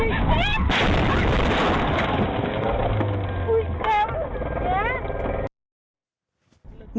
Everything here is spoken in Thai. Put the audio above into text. อุ้ยเค็มเดี๋ยว